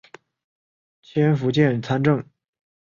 迁福建参政。